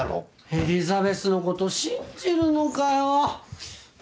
エリザベスのこと信じるのかよ！